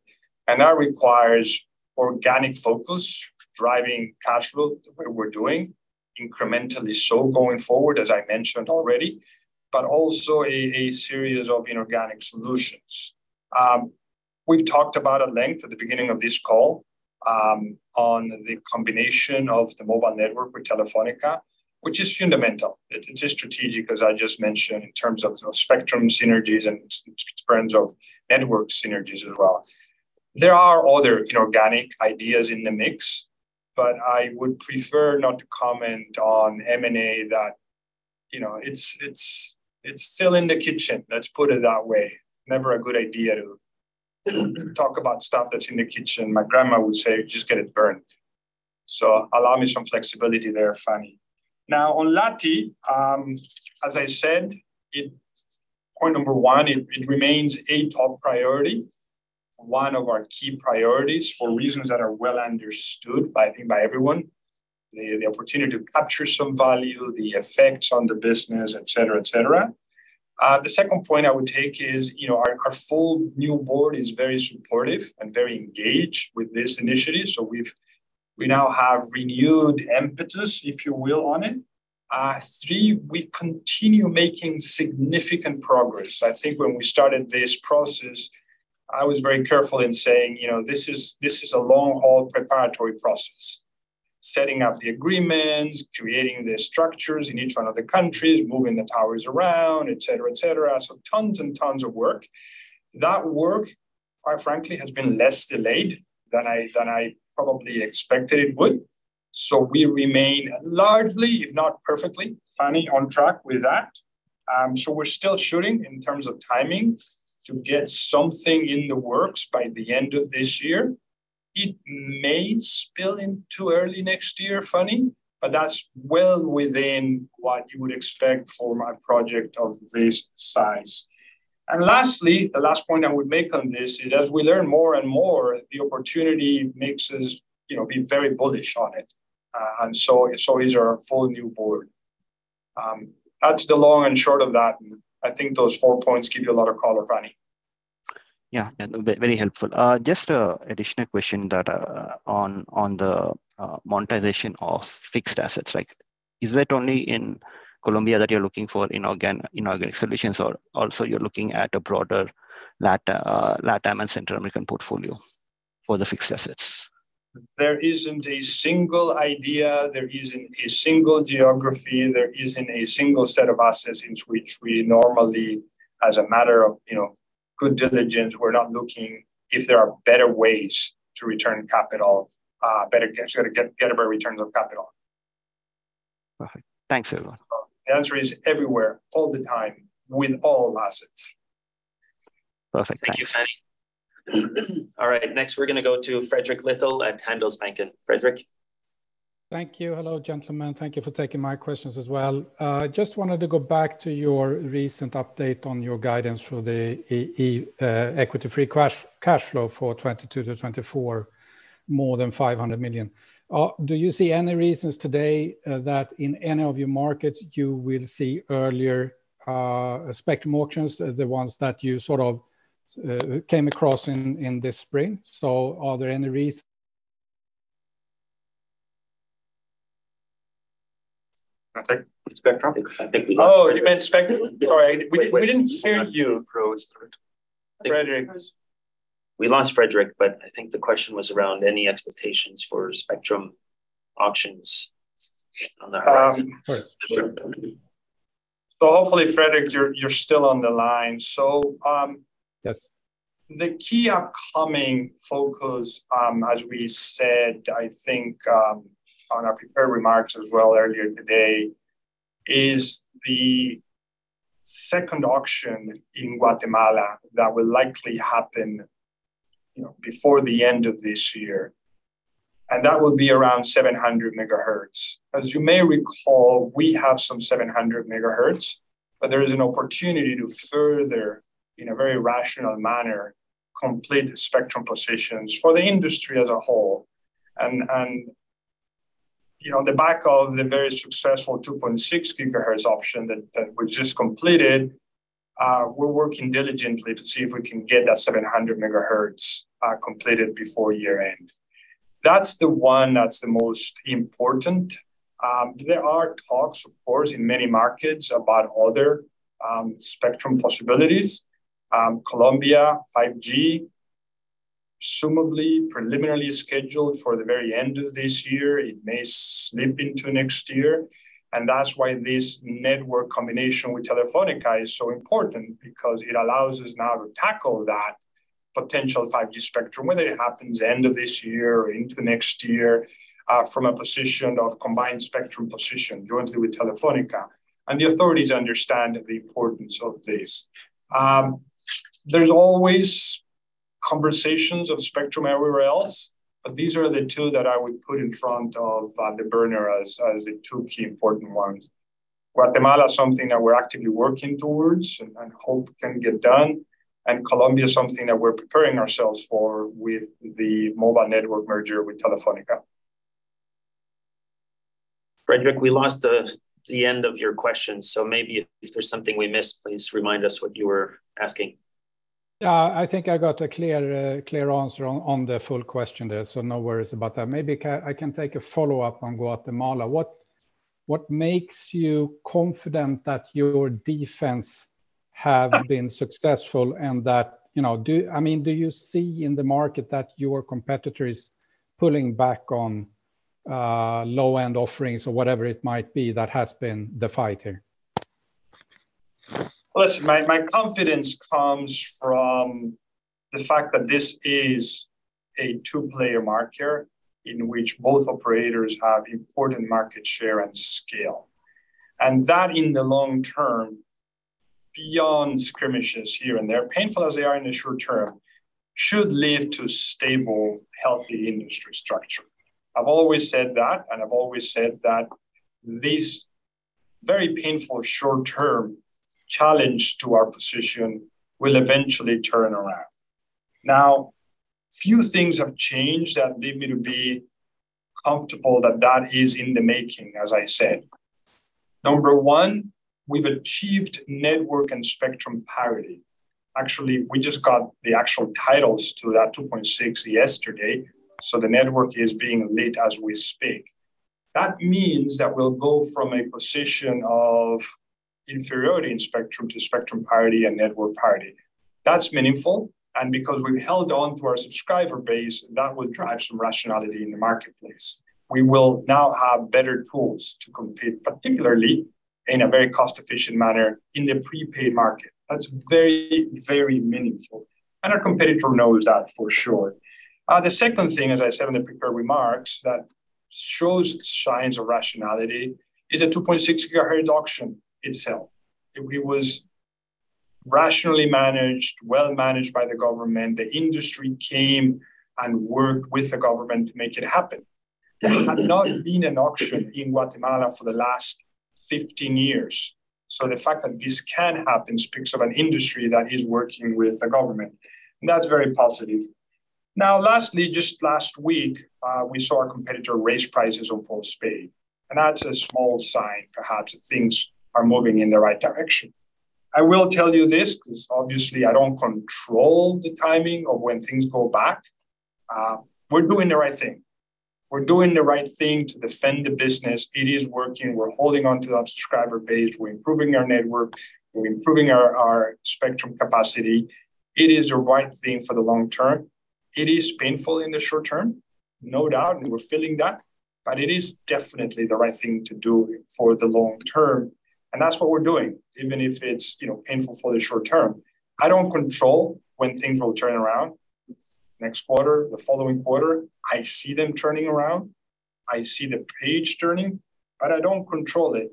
That requires organic focus, driving cash flow, we're doing incrementally, so going forward, as I mentioned already, but also a series of inorganic solutions. We've talked about at length at the beginning of this call, on the combination of the mobile network with Telefónica, which is fundamental. It's a strategic, as I just mentioned, in terms of spectrum synergies and in terms of network synergies as well. There are other inorganic ideas in the mix. I would prefer not to comment on M&A that. You know, it's still in the kitchen, let's put it that way. Never a good idea to talk about stuff that's in the kitchen. My grandma would say, "You'll just get it burnt." Allow me some flexibility there, Phani. On Lati, as I said, point number one, it remains a top priority, one of our key priorities for reasons that are well understood by, I think by everyone. The opportunity to capture some value, the effects on the business, etc. The second point I would take is, you know, our full new board is very supportive and very engaged with this initiative, so we now have renewed impetus, if you will, on it. Three, we continue making significant progress. I think when we started this process, I was very careful in saying, you know, "This is, this is a long-haul preparatory process." Setting up the agreements, creating the structures in each one of the countries, moving the towers around, etc. Tons and tons of work. That work, quite frankly, has been less delayed than I, than I probably expected it would. We remain largely, if not perfectly, Phani, on track with that. We're still shooting in terms of timing, to get something in the works by the end of this year. It may spill into early next year, Phani, but that's well within what you would expect for a project of this size. Lastly, the last point I would make on this is, as we learn more and more, the opportunity makes us, you know, be very bullish on it. So is our full new board. That's the long and short of that, and I think those four points give you a lot of color, Phani. Yeah, very helpful. Just a additional question that on the monetization of fixed assets. Like, is it only in Colombia that you're looking for inorganic solutions, or also you're looking at a broader LatAm and Central American portfolio? for the fixed assets. There isn't a single idea, there isn't a single geography, there isn't a single set of assets in which we normally, as a matter of, you know, good diligence, we're not looking if there are better ways to return capital, better get a better return on capital. Perfect. Thanks so much. The answer is everywhere, all the time, with all assets. Perfect. Thank you. Thank you, Phani. All right, next we're gonna go to Fredrik Lithell at Handelsbanken. Fredrik? Thank you. Hello, gentlemen. Thank you for taking my questions as well. I just wanted to go back to your recent update on your guidance for the equity free cash flow for 2022 to 2024, more than $500 million. Do you see any reasons today, that in any of your markets, you will see earlier, spectrum auctions, the ones that you sort of, came across in this spring? Are there any reason? Spectrum? I think we. Oh, you meant spectrum. All right. We didn't hear you, Fredrik. We lost Fredrik, but I think the question was around any expectations for spectrum auctions on the horizon. Right. Hopefully, Fredrik, you're still on the line. The key upcoming focus, as we said, I think, on our prepared remarks as well earlier today, is the second auction in Guatemala that will likely happen, you know, before the end of this year, and that will be around 700 MHz. As you may recall, we have some 700 MHz, but there is an opportunity to further, in a very rational manner, complete spectrum positions for the industry as a whole. You know, on the back of the very successful 2.6 GHz auction that we just completed, we're working diligently to see if we can get that 700 MHz completed before year-end. That's the one that's the most important. There are talks, of course, in many markets about other, spectrum possibilities. Colombia, 5G, presumably preliminarily scheduled for the very end of this year. It may slip into next year, and that's why this network combination with Telefónica is so important, because it allows us now to tackle that potential 5G spectrum, whether it happens end of this year or into next year, from a position of combined spectrum position jointly with Telefónica. The authorities understand the importance of this. There's always conversations of spectrum everywhere else, but these are the two that I would put in front of the burner as the two key important ones. Guatemala is something that we're actively working towards and hope can get done. Colombia is something that we're preparing ourselves for with the mobile network merger with Telefónica. Fredrik, we lost the end of your question, so maybe if there's something we missed, please remind us what you were asking. I think I got a clear answer on the full question there, so no worries about that. Maybe I can, I can take a follow-up on Guatemala. What makes you confident that your defense have been successful and that, you know, I mean, do you see in the market that your competitor is pulling back on, low-end offerings or whatever it might be, that has been the fight here? Listen, my confidence comes from the fact that this is a two-player market, in which both operators have important market share and scale. That, in the long term, beyond skirmishes here and there, painful as they are in the short term, should lead to stable, healthy industry structure. I've always said that, and I've always said that this very painful short-term challenge to our position will eventually turn around. Now, few things have changed that lead me to be comfortable that that is in the making, as I said. Number one, we've achieved network and spectrum parity. Actually, we just got the actual titles to that 2.6 GHz yesterday, so the network is being laid as we speak. That means that we'll go from a position of inferiority in spectrum to spectrum parity and network parity. That's meaningful. Because we've held on to our subscriber base, that will drive some rationality in the marketplace. We will now have better tools to compete, particularly in a very cost-efficient manner, in the prepaid market. That's very, very meaningful. Our competitor knows that for sure. The second thing, as I said in the prepared remarks, that shows signs of rationality is a 2.6 GHz auction itself. It was rationally managed, well managed by the government. The industry came and worked with the government to make it happen. There had not been an auction in Guatemala for the last 15 years. The fact that this can happen speaks of an industry that is working with the government. That's very positive. Lastly, just last week, we saw a competitor raise prices on full speed. That's a small sign, perhaps, that things are moving in the right direction. I will tell you this, because obviously I don't control the timing of when things go back. We're doing the right thing to defend the business. It is working. We're holding onto our subscriber base, we're improving our network, we're improving our spectrum capacity. It is the right thing for the long term. It is painful in the short term, no doubt. We're feeling that. It is definitely the right thing to do for the long term. That's what we're doing, even if it's, you know, painful for the short term. I don't control when things will turn around, next quarter, the following quarter. I see them turning around. I see the page turning, but I don't control it.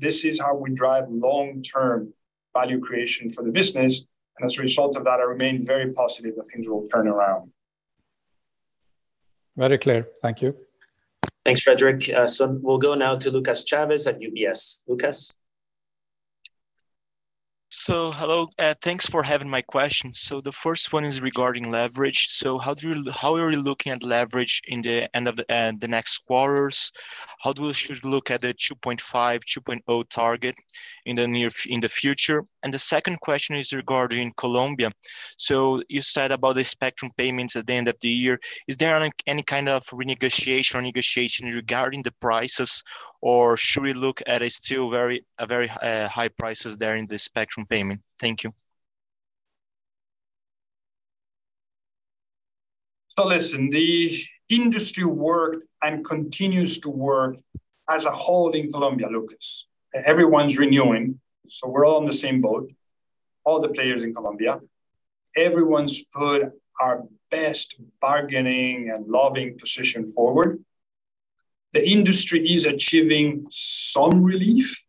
This is how we drive long-term value creation for the business. As a result of that, I remain very positive that things will turn around. Very clear. Thank you. Thanks, Frederik. We'll go now to Lucas Chaves at UBS. Lucas? Hello, thanks for having my questions. The first one is regarding leverage. How are you looking at leverage in the end of the next quarters? How do we should look at the 2.5, 2.0 target in the future? The second question is regarding Colombia. You said about the spectrum payments at the end of the year, is there any kind of renegotiation or negotiation regarding the prices, or should we look at it still very high prices there in the spectrum payment? Thank you. Listen, the industry worked and continues to work as a whole in Colombia, Lucas. Everyone's renewing, so we're all on the same boat. All the players in Colombia, everyone's put our best bargaining and lobbying position forward. The industry is achieving some relief,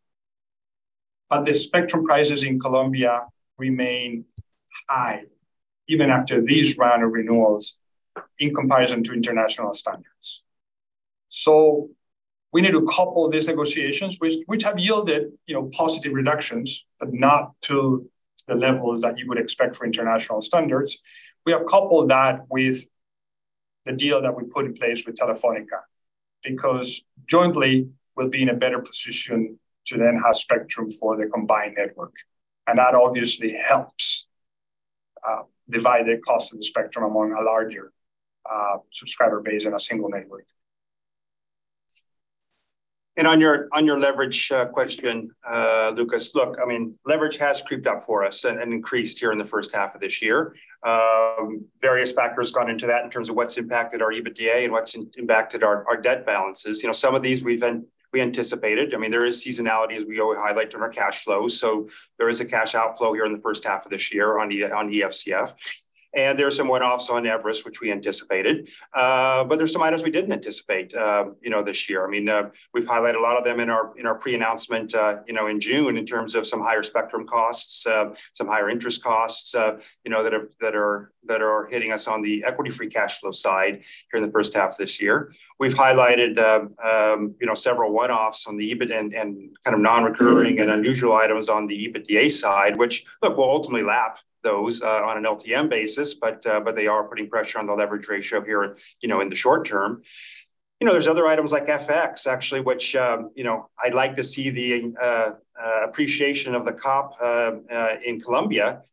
but the spectrum prices in Colombia remain high even after this round of renewals in comparison to international standards. We need to couple these negotiations, which have yielded, you know, positive reductions, but not to the levels that you would expect for international standards. We have coupled that with the deal that we put in place with Telefónica, because jointly, we'll be in a better position to then have spectrum for the combined network, and that obviously helps divide the cost of the spectrum among a larger subscriber base in a single network. On your, on your leverage, question, Lucas, look, I mean, leverage has creeped up for us and increased here in the first half of this year. Various factors gone into that in terms of what's impacted our EBITDA and what's impacted our debt balances. You know, some of these we anticipated. I mean, there is seasonality as we always highlight in our cash flows, so there is a cash outflow here in the first half of this year on EFCF, and there are some one-offs on Everest, which we anticipated. There's some items we didn't anticipate, you know, this year. I mean, we've highlighted a lot of them in our, in our pre-announcement, you know, in June, in terms of some higher spectrum costs, some higher interest costs, you know, that are hitting us on the equity free cash flow side here in the first half of this year. We've highlighted, you know, several one-offs on the EBIT and kind of non-recurring and unusual items on the EBITDA side, which look, we'll ultimately lap those, on an LTM basis, but they are putting pressure on the leverage ratio here, you know, in the short term. You know, there's other items like FX, actually, which, you know, I'd like to see the appreciation of the COP in Colombia,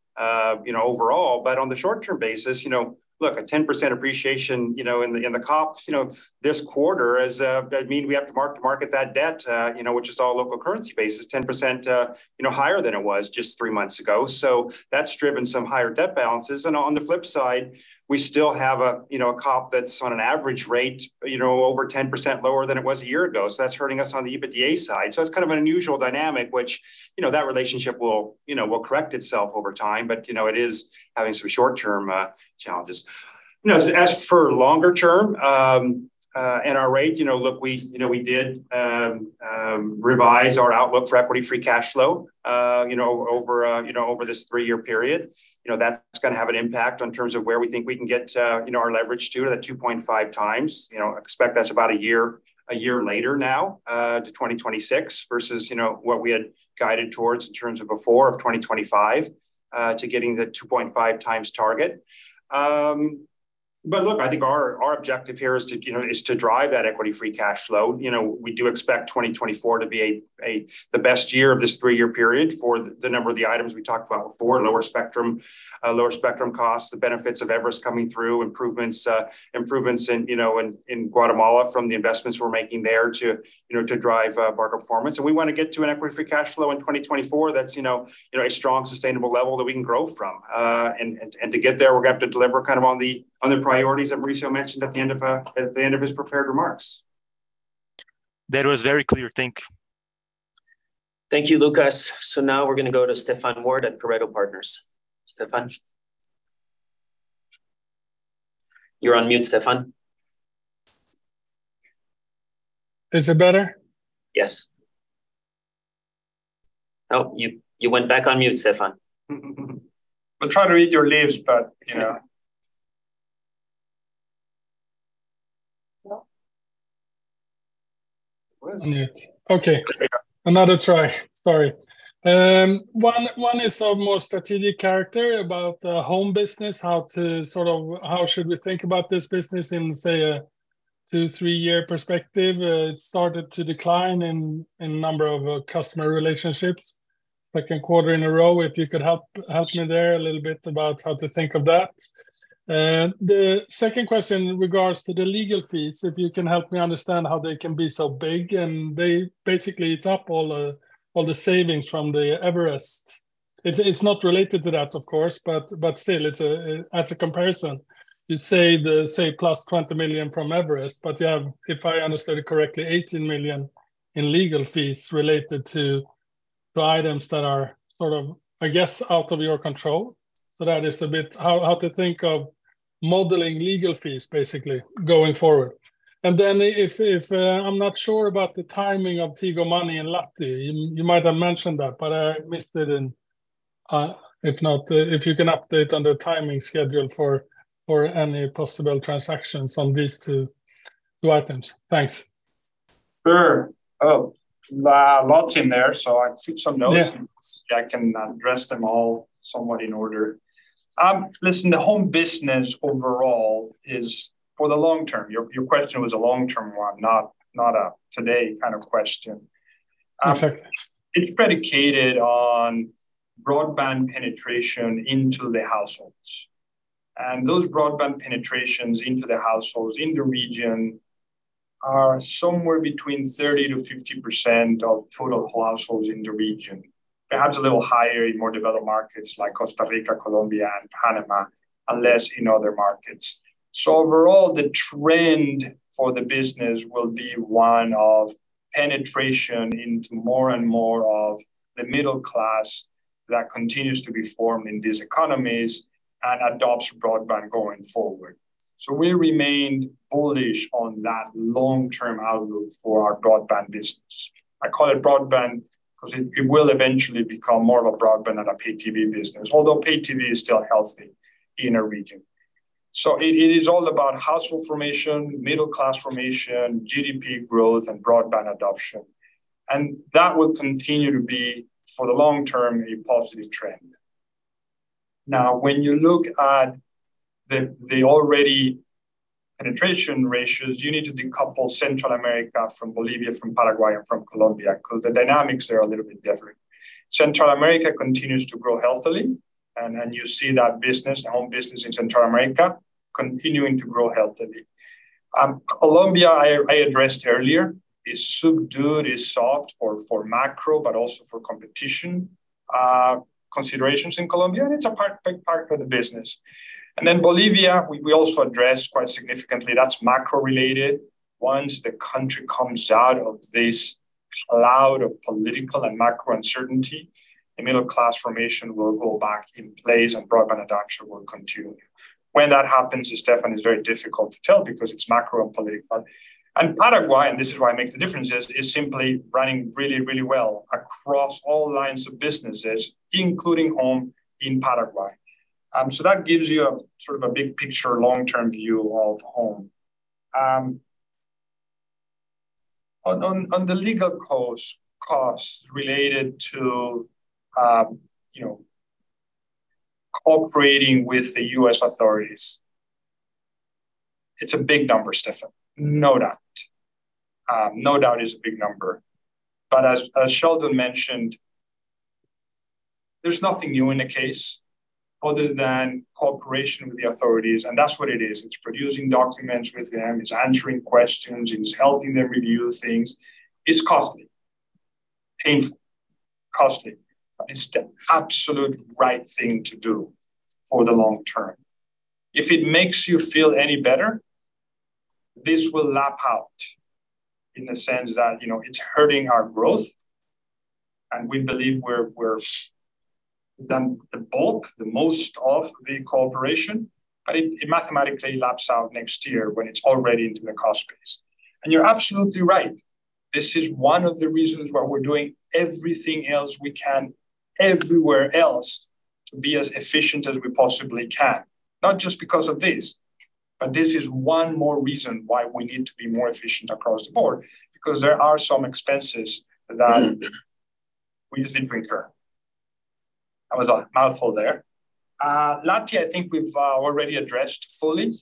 you know, overall. On the short-term basis, you know, look, a 10% appreciation, you know, in the, in the COPs, you know, this quarter is, I mean, we have to mark-to-market that debt, you know, which is all local currency basis, 10%, you know, higher than it was just three months ago. That's driven some higher debt balances. On the flip side, we still have a, you know, a COP that's on an average rate, you know, over 10% lower than it was one year ago. That's hurting us on the EBITDA side. It's kind of an unusual dynamic, which, you know, that relationship will, you know, will correct itself over time, but, you know, it is having some short-term challenges. As for longer term, our rate, you know, look, we, you know, we did revise our outlook for equity free cash flow, you know, over, you know, over this three-year period. You know, that's gonna have an impact on terms of where we think we can get, our leverage to that 2.5x. You know, expect that's about a year later now, to 2026, versus, you know, what we had guided towards in terms of before of 2025, to getting the 2.5x target. Look, I think our objective here is to, you know, is to drive that equity free cash flow. You know, we do expect 2024 to be the best year of this three-year period for the number of the items we talked about before. Lower spectrum, lower spectrum costs, the benefits of Everest coming through, improvements in Guatemala from the investments we're making there to drive market performance. We want to get to an equity-free cash flow in 2024 that's, you know, a strong, sustainable level that we can grow from. And to get there, we're gonna have to deliver kind of on the priorities that Mauricio mentioned at the end of his prepared remarks. That was very clear. Thank you. Thank you, Lucas. Now we're gonna go to Stefan Wård at Pareto Partners. Stefan? You're on mute, Stefan. Is it better? Yes. Oh, you went back on mute, Stefan. We'll try to read your lips, but, you know. Mute. Okay. There you go. Another try. Sorry. One, one is a more strategic character about the home business, how should we think about this business in, say, a two, three year perspective? It started to decline in number of customer relationships, second quarter in a row. If you could help me there a little bit about how to think of that. The second question in regards to the legal fees, if you can help me understand how they can be so big, and they basically eat up all the savings from the Everest. It's not related to that, of course, but still it's as a comparison, you say plus $20 million from Everest, but you have, if I understood it correctly, $18 million in legal fees related to the items that are sort of, I guess, out of your control. That is a bit, how to think of modeling legal fees, basically, going forward. If I'm not sure about the timing of Tigo Money and Lati. You might have mentioned that, but I missed it. If not, if you can update on the timing schedule for any possible transactions on these two items. Thanks. Sure. Oh, lots in there, so I took some notes. Yeah I can address them all somewhat in order. Listen, the home business overall is for the long term. Your question was a long-term one, not a today kind of question. Exactly. It's predicated on broadband penetration into the households, those broadband penetrations into the households in the region are somewhere between 30%-50% of total households in the region. Perhaps a little higher in more developed markets like Costa Rica, Colombia, and Panama, and less in other markets. Overall, the trend for the business will be one of penetration into more and more of the middle class that continues to be formed in these economies and adopts broadband going forward. We remained bullish on that long-term outlook for our broadband business. I call it broadband because it will eventually become more of a broadband and a pay TV business, although pay TV is still healthy in our region. It is all about household formation, middle-class formation, GDP growth, and broadband adoption, and that will continue to be, for the long term, a positive trend. When you look at the already penetration ratios, you need to decouple Central America from Bolivia, from Paraguay, and from Colombia, because the dynamics there are a little bit different. Central America continues to grow healthily, then you see that business, the home business in Central America, continuing to grow healthily. Colombia, I addressed earlier, is subdued, is soft for macro, but also for competition, considerations in Colombia, and it's a part, big part of the business. Bolivia, we also addressed quite significantly. That's macro-related. Once the country comes out of this cloud of political and macro uncertainty, the middle-class formation will go back in place, and broadband adoption will continue. When that happens, Stefan, is very difficult to tell because it's macro and political. Paraguay, and this is where I make the differences, is simply running really, really well across all lines of businesses, including home in Paraguay. That gives you a sort of a big-picture, long-term view of home. On the legal cost, costs related to, you know, cooperating with the U.S. authorities, it's a big number, Stefan, no doubt. No doubt it's a big number. As Sheldon mentioned, there's nothing new in the case other than cooperation with the authorities, and that's what it is. It's producing documents with them, it's answering questions, it's helping them review things. It's costly, painful, costly, but it's the absolute right thing to do for the long term. If it makes you feel any better, this will lap out in the sense that, you know, it's hurting our growth, and we believe we're done the bulk, the most of the cooperation, but it mathematically laps out next year when it's already into the cost base. You're absolutely right. This is one of the reasons why we're doing everything else we can, everywhere else, to be as efficient as we possibly can. Not just because of this, but this is one more reason why we need to be more efficient across the board, because there are some expenses that we didn't incur. That was a mouthful there. Lati, I think we've already addressed fully.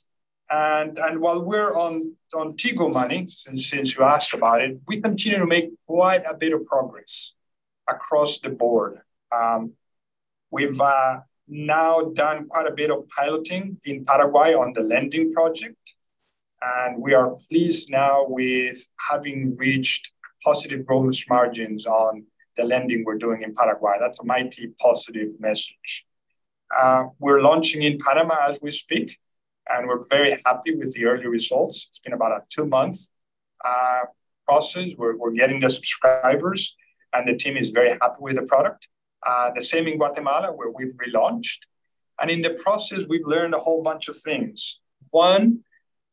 While we're on Tigo Money, since you asked about it, we continue to make quite a bit of progress across the board. We've now done quite a bit of piloting in Paraguay on the lending project, and we are pleased now with having reached positive gross margins on the lending we're doing in Paraguay. That's a mighty positive message. We're launching in Panama as we speak, and we're very happy with the early results. It's been about a two-month process. We're getting the subscribers, and the team is very happy with the product. The same in Guatemala, where we've relaunched. In the process, we've learned a whole bunch of things. One,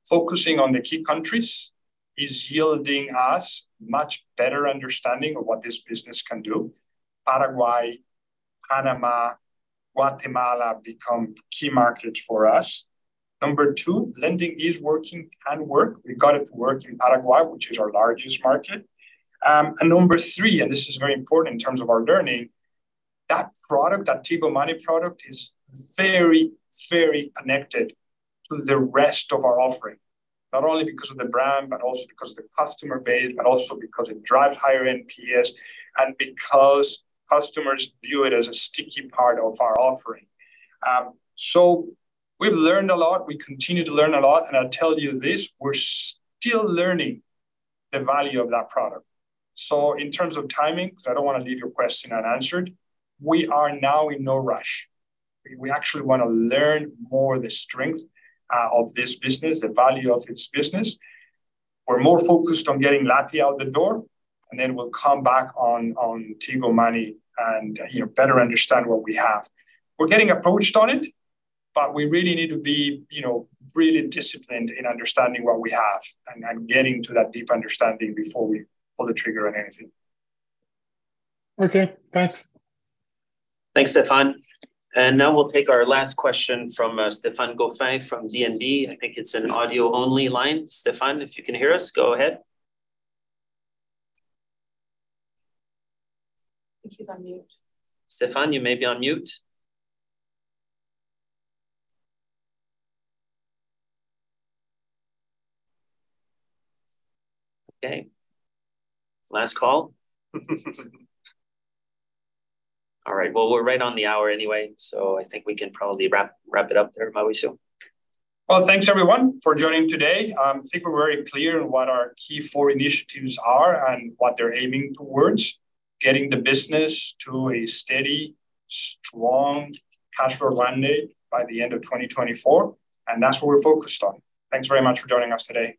focusing on the key countries is yielding us much better understanding of what this business can do. Paraguay, Panama, Guatemala become key markets for us. Number two, lending is working, can work. We got it to work in Paraguay, which is our largest market. Number three, and this is very important in terms of our learning, that product, that Tigo Money product, is very, very connected to the rest of our offering. Not only because of the brand, but also because of the customer base, but also because it drives higher NPS and because customers view it as a sticky part of our offering. We've learned a lot. We continue to learn a lot, and I'll tell you this, we're still learning the value of that product. In terms of timing, because I don't want to leave your question unanswered, we are now in no rush. We actually want to learn more the strength of this business, the value of this business. We're more focused on getting Lati out the door, and then we'll come back on Tigo Money and, you know, better understand what we have. We're getting approached on it, but we really need to be, you know, really disciplined in understanding what we have and getting to that deep understanding before we pull the trigger on anything. Okay, thanks. Thanks, Stefan. Now we'll take our last question from Stephan Goffin from D&B. I think it's an audio-only line. Stephan, if you can hear us, go ahead. I think he's on mute. Stephan, you may be on mute. Okay, last call. All right, well, we're right on the hour anyway, so I think we can probably wrap it up there, Mauricio. Well, thanks everyone for joining today. I think we're very clear on what our key four initiatives are and what they're aiming towards: getting the business to a steady, strong cash flow landing by the end of 2024, and that's what we're focused on. Thanks very much for joining us today.